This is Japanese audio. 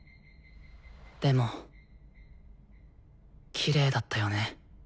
でもきれいだったよね。